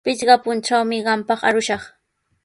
Pichqa puntrawmi qampaq arushaq.